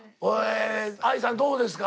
ＡＩさんどうですか？